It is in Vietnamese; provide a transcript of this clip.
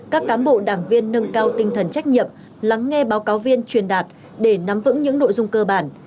các cán bộ đảng viên nâng cao tinh thần trách nhiệm lắng nghe báo cáo viên truyền đạt để nắm vững những nội dung cơ bản